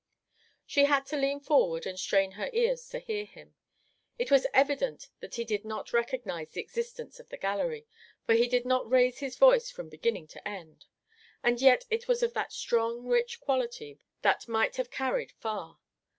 She had to lean forward and strain her ears to hear him. It was evident that he did not recognize the existence of the gallery, for he did not raise his voice from beginning to end; and yet it was of that strong rich quality that might have carried far.